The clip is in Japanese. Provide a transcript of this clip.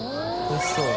おいしそう。